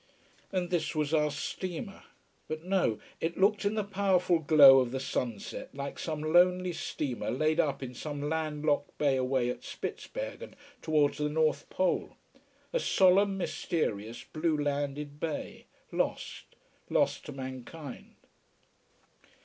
And this was our steamer. But no, it looked in the powerful glow of the sunset like some lonely steamer laid up in some land locked bay away at Spitzbergen, towards the North Pole: a solemn, mysterious, blue landed bay, lost, lost to mankind.